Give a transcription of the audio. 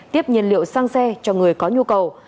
tiếp nhiên liệu sang xe cho người có nhu cầu